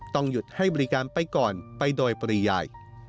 ต้องหยุดให้บริการไปก่อนไปโดยปริยาย